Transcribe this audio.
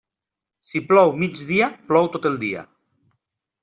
Si plou mig dia, plou tot el dia.